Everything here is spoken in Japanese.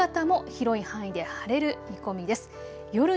このあと夕方も広い範囲で晴れる見込みです。